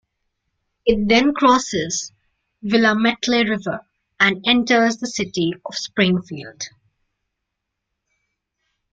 It then crosses the Willamette River and enters the city of Springfield.